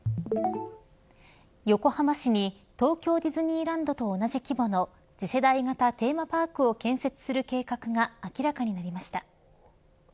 横浜市に東京ディズニーランドと同じ規模の次世代型テーマパークを建設する計画が明らかになりました。